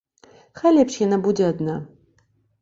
Хай лепш яна будзе адна.